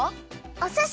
おすし！